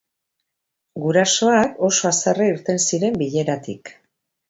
Gurasoak oso haserre irten ziren bileratik.